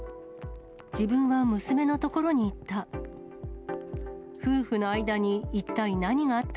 自分は娘の所に行った。